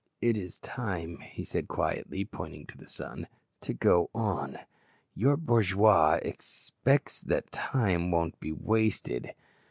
"It is time," he said quietly, pointing to the sun, "to go on. Your bourgeois expects that time won't be wasted."